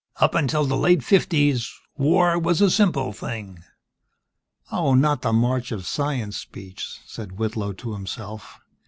"Up until the late fifties, war was a simple thing ..." Oh, not the March of Science Speech! said Whitlow to himself.